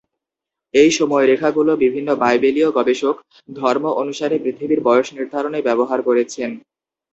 এই সময়রেখা গুলো বিভিন্ন বাইবেলীয় গবেষক ধর্ম অনুসারে পৃথিবীর বয়স নির্ধারণে ব্যবহার করেছেন।